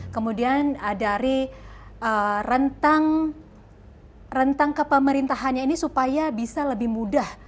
kemudian dari rentang kepemerintahannya ini supaya bisa lebih mudah